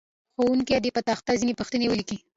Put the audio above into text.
ښوونکی دې په تخته ځینې پوښتنې ولیکي.